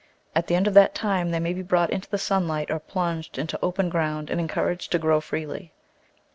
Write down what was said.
At the end of that time they may be brought into the sunlight or plunged into open ground and encouraged to grow freely.